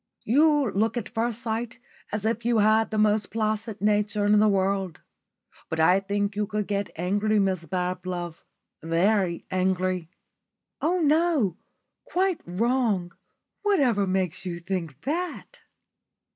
You look at first sight as if you had the most placid nature in the world. But I think you could get angry, Mrs Bablove very angry." "Oh, no. Quite wrong. Whatever makes you think that?"